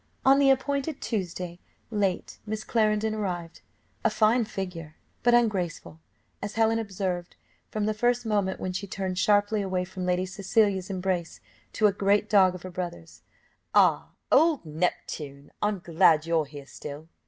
On the appointed Tuesday, late, Miss Clarendon arrived; a fine figure, but ungraceful, as Helen observed, from the first moment when she turned sharply away from Lady Cecilia's embrace to a great dog of her brother's "Ah, old Neptune! I'm glad you're here still."